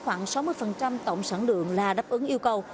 trong tổng sản lượng là đáp ứng yêu cầu